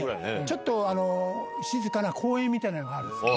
ちょっと静かな公園みたいなのがあるんです。